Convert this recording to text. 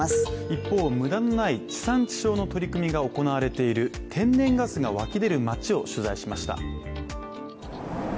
一方、無駄のない地産地消の取り組みが行われている天然ガスが湧き出る町を取材しました。